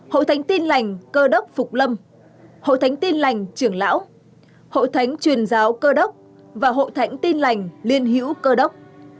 hội thánh tin lành cơ đốc phục lâm hội thánh tin lành trưởng lão hội thánh truyền giáo cơ đốc và hội thánh tin lành liên hữu cơ đốc